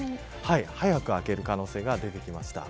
早く明ける可能性が出てきました。